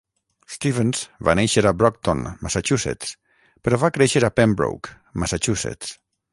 Stevens va néixer a Brockton, Massachusetts, però va créixer a Pembroke, Massachusetts.